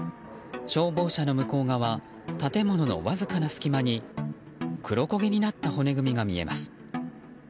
消防車の向こう側建物のわずかな隙間に黒焦げになった骨組みが見えます。